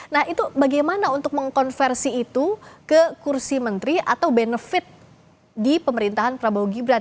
nah itu bagaimana untuk mengkonversi itu ke kursi menteri atau benefit di pemerintahan prabowo gibran